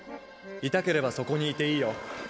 いたければそこにいていいよ。